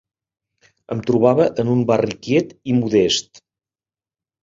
Em trobava en un barri quiet i modest